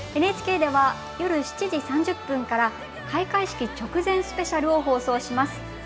ＮＨＫでは夜７時３０分から開会式直前スペシャルを放送します。